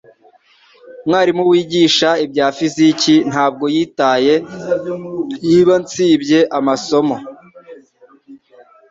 Umwarimu wigisha ibya fiziki ntabwo yitaye niba nsibye amasomo